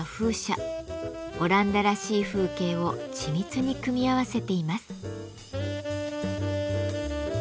オランダらしい風景を緻密に組み合わせています。